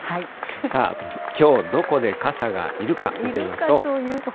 さあ、きょうどこで傘がいるいるかというと。